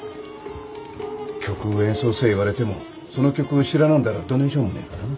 曲演奏せえ言われてもその曲を知らなんだらどねんしようもねえからのお。